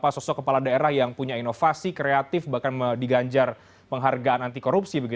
sosok kepala daerah yang punya inovasi kreatif bahkan diganjar penghargaan anti korupsi